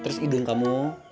terus idung kamu